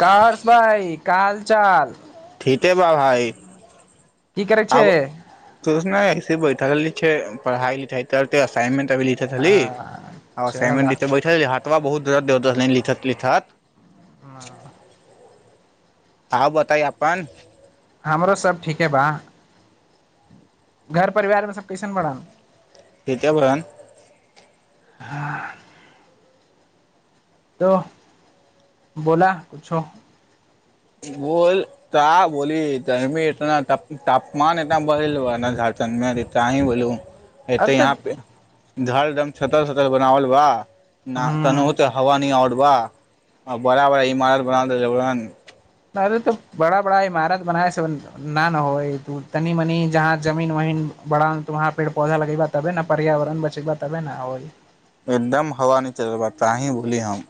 का हर्ष भाई का हाल चाल ठीके बा भइ की करै छै आब तस ने ऐसे बैठक ली पढ़इ लिखाइ ते असाइमेंट तभी लिखय छली आ चल एसाइनमेंट लिख के बैठल छली हाथ कत बहुतूर देततानि लिखत लिखत [unintelligible] ह आउ बताइ अपन हमरो सभ ठीके बा घर परिवारमे सभ कैसन बड़न ठिके बारन हँ तो बोला किुछो बोल त बोल गरमी इतना तापमान इतना बढ़ल झ च त ही बोलू ए तऽ यहाँ पे झरदम सतर सतर बनावल बा न तन ह त हव न आऔ वाह बड़ा बड़ा इमारत बना देने बरन नहि तो बड़ा बड़ा इमारत बनाए न ने हो तू तनी मनी जहाँ जमीन वमीन बड़ा त वहाँ पेड़ पौधा लगेबा तबे ने पर्यावरण बचेबा तबे न हो एकदम हवा न चलल बा ताही बोली हम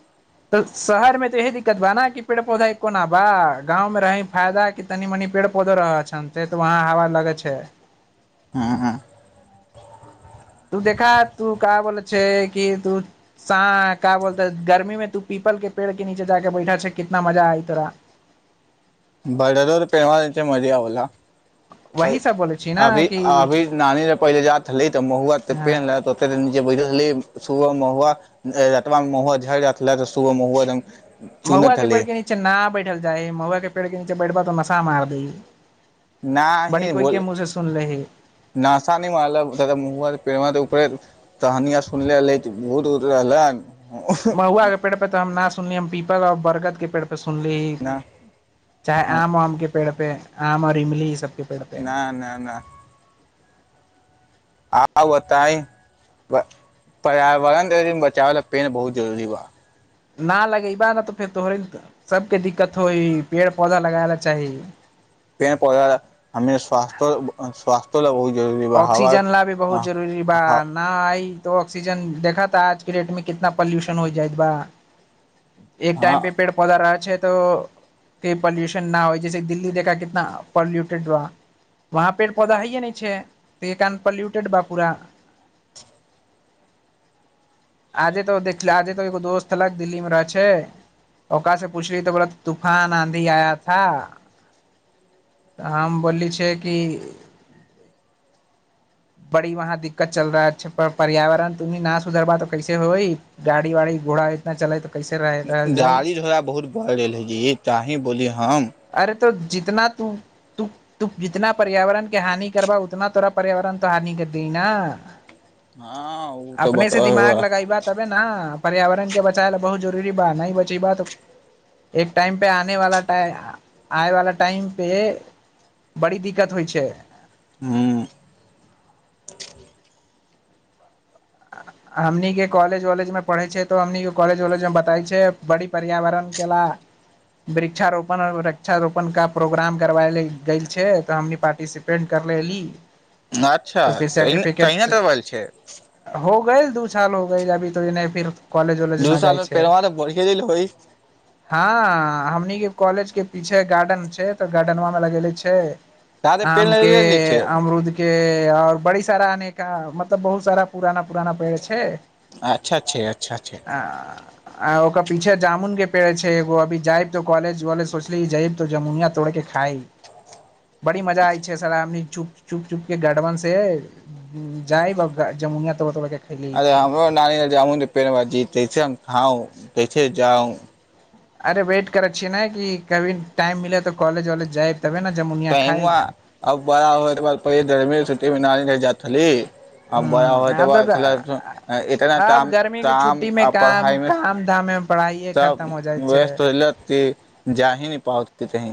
तऽ शहर मे तऽ इहे दिक्कत बा नेा कि पेड़ पौधा कोना बा गााँवमे रहै फायदा कि तनी मनी पेड़ पौधो रह छ सेे तऽ वहाँ हवा लगै छै हँ हँ तू देखा तू क बोल छै कि तू का बोलतेै गर्मी में तू पीपल के पेड़ के नीचे जााक बैठा छै कितना मजा आई तोरा भडरोर पेरव छै मी आ ओला [unintelligible] वही सब बोले छी ने अभी कि अभी नानी पहिले जा ही तऽ महुआ हँ पेने [unintelligible] जे बै शु महुआ महु झ जा तऽ शु महु एक महुआ के पेड़ के नीचे ना बैठल जाय महुआ के पेड़ के नीचे बैठबा तऽ नशा मार दै बड़ी नहि कोइ के बोल मुँह से सुनले हे नसा नहि मल त मु पे म त उप तनिया सुनलेे लै त भूत उत रहलै महुआ के पेड़ पे त हम न सुनलिय हम पी बरगदके पे त सुनलीही ना चाहे आम वाम के पेड़ पे आम आर इमली ई सब नहि नहि नहि आ बताए पर्यावरण बचाबै ल पेन बहुत जरूरी बा न लगैबा न तऽ फेर तोहरे सबके दिक्कत होई पेड़ पौधा लगाय ला चाही पेड़ पौधा हमी स्वास्थ्य स्व तोल [inaudible] ऑक्सीजन ला भी बहुत जरूरी बा ह न आइ तऽ ऑक्सीजन देखा ता आजके डेटमे कितना पोल्यूशन होई जायत ब एक टाइम पे हँ पेड़ पौधा रह छै तो ते पॉल्यूशन न होइ जैसे दिल्ली देखा कितना पोल्यूटेड बा वहाँ पेड़ पौधा हइे नहि छै अनपल्यूटेड बा पूरा आजे तो देख आजे तो एगो दोस्त अलग दिल्ली में रहे छै ओकरा से पूछली तऽ बोला तूफान आंधी आया था हम बोलली छिय कि बड़ी वहाँ दिक्कत चल रह छै पर्यावरण तुमी ना सुधरबा त कैस होइ गाड़ी वाड़ी घोड़ा इतना चले त गाड़ी घोड़ा बहुत बढ़ि गेल हइ जी ताहि बोली हम अरे तो जितना तू त तू जितना पर्यावरण के हानि करबा उतना तोरा पर्यावरण तो हानि कर दि न हँ ओ तऽ अपने बता से दिमाग ह लगाई बा तबे न पर्यावरणके बचााय लए बहुत जरूरी बा नहि बचीइबा त एक टाइमपे आने वाला टाम आयवला टाइमपे बड़ी दिक्कत होइ छै ह्म हमनिके कॉलेज वॉलेज मे पढ़े छै तऽ हमनिके कॉलेज वॉलेज मे बताई छै बड़ी पर्यावरण के ला वृक्षारोपण वृक्षारोपण का प्रोग्राम करवााय ले गेल छै तऽ हम पार्टिसिपेट करलेली अच्छा त तहिने देबल छै हो ग‌एल दू साल हो ग‌एल अभी तो नहि फिर कॉलेज वॉलेज दू न जाइ साल मे छै पेरमा त बढ़ए देल हो हँ हमनि के कॉलेज के पीछे गार्डेन छै त गार्डनवां में लगेले छै जादे पेड़ आम नहि के ले छै अमरुद के ओर बड़ी सारा आनेका मतलब बहुत सारा पुरान पुरान पेड़ छै अच्छा छै अच्छा छै आ आ ओकर पीछे जामुन के पेड़ छै एगो अभी जायब तो कॉलेज वॉलेज सोचली जायब तो जमुनिया तोड़ के खायई बड़ी मजा आय छै सर चुप चुप चुप के गढ़वन से जायब जमनिया तोड़ तोड़ के खैले अरे छै हमरो नानीामूँ पेर ब जीतैसे हम खाउ देखै छैे जाउ अरे वेट करै छियै न क कभी टाइम मिलै तऽ कॉेज वॉलेज जाए टाइम अब बड़ा हो गर्मी छुट्टीमे न जा छली आ बड़ा हो ह त ब आब छल इतना तऽ आब ताम गर्मी के ताम छुट्टी मे आ काम पढ़ाइ मे काम धाम मे पढ़ाइए सब खतम हो जाइ छै व्यस्त जा ही न पहुँचत कही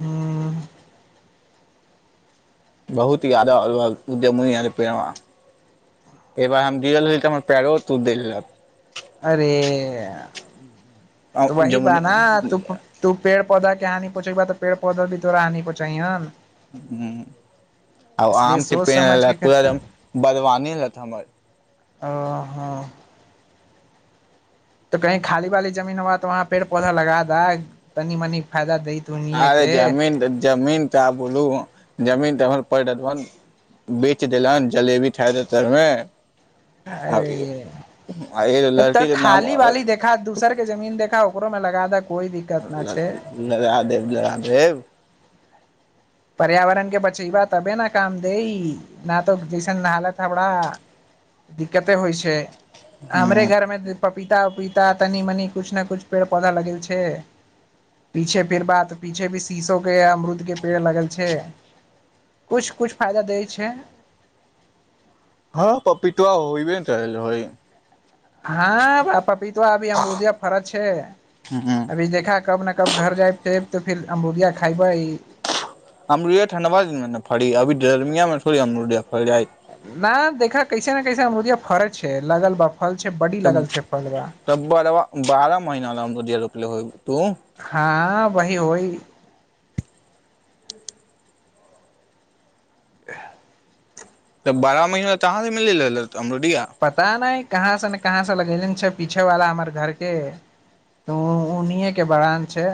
हँ बहुत यादा उद्यमनी पेड़ एक बार हम जिर रहल तऽ हमर पैरो तू देल लेलत त वही बा जमुनी न तू हूं तू पेड़ पौधा के क हानि पहुचैे ब त पड़ौधा भ तोरा हानि पहुँचा हैन ह आ इसलिए आमके सोच समझ पेड़ के कर पूरा एकम बदवानी लत हमर ओ हँ तऽ कही खाली वाली जमीन ह तऽ वहाँ पेड़ पौधा लगा दए तनि मनी फायदा दैत उन्हीए अरे के जमीन जमीन तऽ बोलू जमीन त परददबन बेच देलनि जलेबी ठा देतमे अरे त तऽ लड़की के नाम खाली वाली देखा दूसर के जमीन देखा ओकरो में लगा द कोई दिक्कत न छै लह देेव लह देेव पर्यावरण के बचेबा तबे ने काम दे न तो जैसन हालत हवराा दिक्कते होइ छै हमरे ह घरमे पपीता उपीता तनी मनी कुछ ने कुछ पेड़ पौधा लगेल छै पीछे फिर बात पीछे भी शीशो के अमरुद के पेड़ लगेल किछु किछु फायदा दै छै हँ पपीत आ होइ भ ने करइ हँ पपीता अभी अमरुदिया फरज छै ह अभी देखा कब ने कब घर जाये तऽ फेर अमरूबिया खयबै अमरूलिया ठण्डा बा दने फड़ी अभीर्मियामे सोरी अमरूलिया न देखा कैसे ने कैसे िया फरज छै लगल बाप तब तब बड़ बारह महिना ल रपले हो तू हँ वही होइ [inaudible] त बारह महीना तहाँ से मिल अमरोडिया कहाँसँ ने कहाँसँ लगेले छै पीछेवला हमर घरके तऽ उनेके बड़ान छै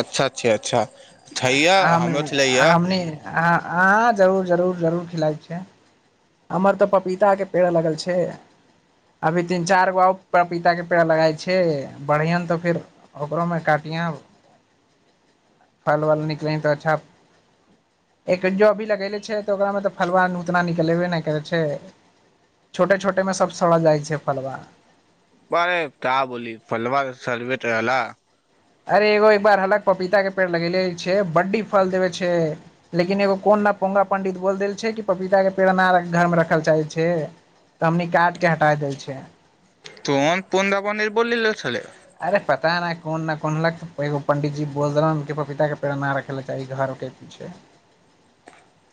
अच्छा अच्छा अच्छा छैया अ हमरो छलैया हम नहि अाँ हँ जरूर जरूर जरूर खिलाइ छिय हमर तो पपीता के पेड़ा लगल छै अभी तीन चार गो पपीता के पेड़ा लगाय छै बढ़िया तो फेर ओकरो में काटिय फल वल निकले तो अच्छा एक जो अभी लगेले छै त ओकरा में तऽ फलव नूतना निक ेबे ने करै छै छोटे छोटे मे सबसड़ा जाइ छै फलवार बरे त बोल फलवार सर्वेटला अरे एगो एक बार हलक पपीता के पेड़ लगेेले छै बड्डी फल देबे छै लेकिन एगो कोन न पोंगा पंडित बोल देल छै कि पपीता के पेड़ घर मे रखल चाहे छै त हमनी काट के हटा देल छै तोन पनन्दावनी बल छलै अरे पता नहि कोन नहि कोनलक तऽ एगो पण्डीजी बोलदरामके पपीताके प्रेरणा रखय लेल चाही घरके पीछे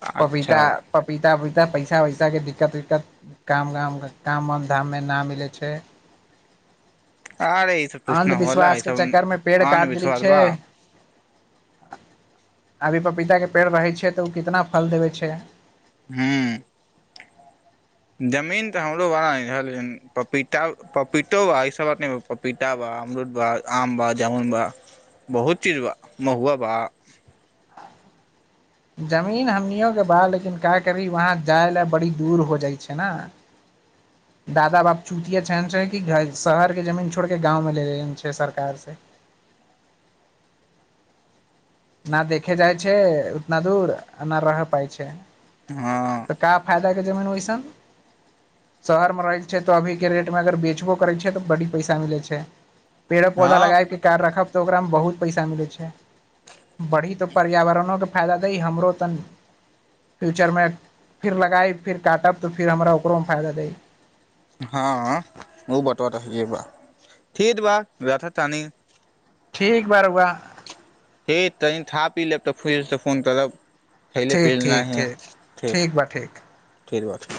अच्छा पपीता पपीता पैसा वैसा के दिक्कत उिक्कत काम वाम काम वाम धाम मे न मिलै छै अरे ई सब तूछ ने होल अंधविश्वास ई के सब चक्कर में पेड़ आन काट देली बिछर छै बा अभी पपीता के पेड़ रहै छै तऽ ओ कितना फल देबै छै हँ जमीन तऽ हमरोवलाा नहि रह लेकिन पपीता पपीतो बा इसभ बात नहि पपीता बा अमरूद बा आम बा जामुन बा बहुत चीज बा महुआ बा जमीन हमनिओके बा लेकिन काय करी वहाँ जाय लए बड़ी दूर हो जाइ छै ने दादा बाप चूतिया छन छै कि शहर के जमीन छोड़ के गाँव मे ले ले छै सरकार से न देखे जाइ छै उतना दूर नहि रह पाय छै हँ तऽ का फायदा के जमीन ओहिस शहरमे रहै छै तऽ अभी के रेटमे अगर बेचबो करै छै तऽ बड़ी पैसा मिलै छै पेड़ पौधा हँ लगााकके कार रखा तऽ ओकरामे बहुत पैसा मिलै छै बढ़ी तऽ पर्यावरणोके फायदा दही हमरो तन फ्यूचरमे फिर लगइ फेर काटब तऽ फेर हमरा ओकरोमे फायदा दही हँ ओ बतरत ह छै ब ठत बा रथ टानि ठीक ब रआ ठिक तनी थाप पी लेब तऽ फुस तऽ फोन करब खैले ठीक पीलना ठीक है ठीक र ठीक बा ठीक फर बात